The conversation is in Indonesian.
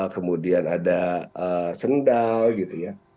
kemudian ada sendal gitu ya